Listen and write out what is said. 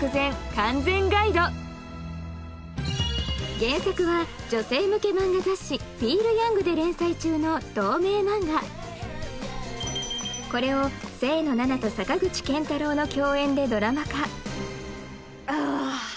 原作は女性向け漫画雑誌ＦＥＥＬＹＯＵＮＧで連載中の同名漫画これを清野菜名と坂口健太郎の共演でドラマ化あ！